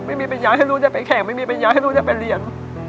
ไม่มีปัญญาให้ลูกจะไปแข่งไม่มีปัญญาให้ลูกจะไปเรียน